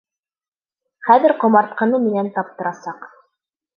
Хәҙер ҡомартҡыны минән таптырасаҡ!